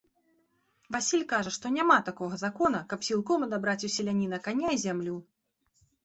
Васіль кажа, што няма такога закона, каб сілком адабраць у селяніна каня і зямлю.